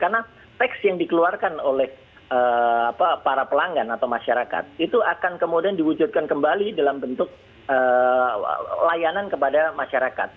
karena teks yang dikeluarkan oleh para pelanggan atau masyarakat itu akan kemudian diwujudkan kembali dalam bentuk layanan kepada masyarakat